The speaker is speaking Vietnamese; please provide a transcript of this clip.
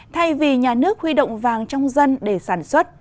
thay vì nhà nước huy động vàng trong dân để sản xuất